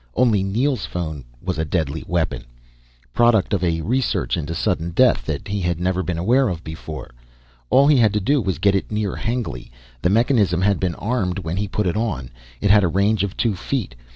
Only Neel's phone was a deadly weapon. Product of a research into sudden death that he had never been aware of before. All he had to do was get it near Hengly, the mechanism had been armed when he put it on. It had a range of two feet.